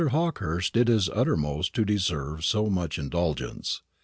Hawkehurst did his uttermost to deserve so much indulgence.